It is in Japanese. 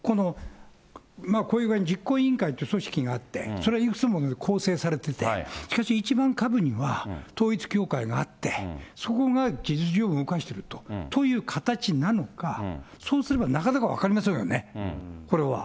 こういう具合に実行委員会という組織があって、それいくつも構成されてて、しかし一番核には統一教会があって、そこが事実上、動かしているという形なのか、そうすればなかなか分かりませんよね、これは。